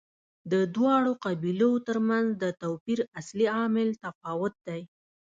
د دواړو قبیلو ترمنځ د توپیر اصلي عامل تفاوت دی.